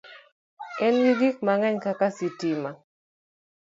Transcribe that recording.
En gi gik mang'eny kaka sitima